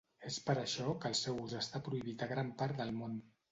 És per això que el seu ús està prohibit a gran part del món.